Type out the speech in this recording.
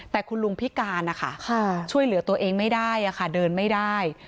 แต่คุณลุงพิการนะคะช่วยเหลือตัวเองไม่ได้ค่ะเดินไม่ได้